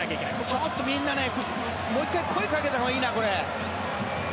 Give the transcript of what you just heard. ちょっとみんな、もう１回声をかけたほうがいいな。